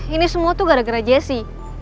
ini semua tuh gara gara jessi